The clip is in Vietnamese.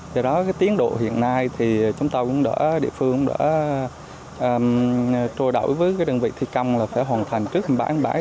do đó tiến độ hiện nay thì chúng ta cũng đã địa phương cũng đã trôi đổi với đơn vị thi công là phải hoàn thành trước bãi bãi